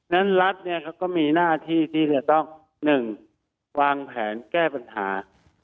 นั้นรัฐเนี่ยเขาก็มีหน้าที่ที่เนี่ยต้องหนึ่งวางแผนแก้ปัญหา